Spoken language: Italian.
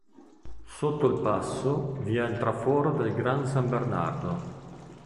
Sotto il passo vi è traforo del Gran San Bernardo.